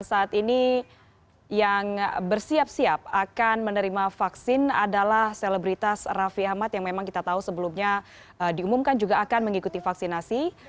saat ini yang bersiap siap akan menerima vaksin adalah selebritas raffi ahmad yang memang kita tahu sebelumnya diumumkan juga akan mengikuti vaksinasi